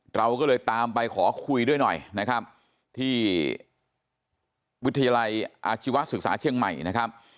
เราก็เลยตามไปขอคุยด้วยหน่อยนะครับที่วิทยาลัยอาชีวศึกษาเชียงใหม่นะครับ